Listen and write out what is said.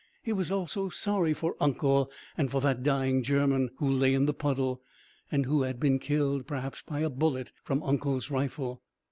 He was also sorry for "uncle" and for that dying German, who lay in the puddle, and who had been killed, perhaps by a bullet from "uncle's" rifle.